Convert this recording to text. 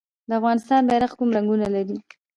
د افغانستان بیرغ کوم رنګونه لري؟